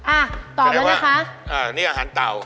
อ่ะตอบแล้วนะคะเป็นไงว่าอันนี้อาหารเต่า